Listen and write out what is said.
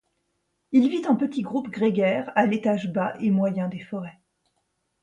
Il vit en petits groupes grégaires à l'étage bas et moyen des forêts.